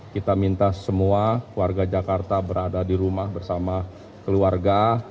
kita minta semua warga jakarta berada di rumah bersama keluarga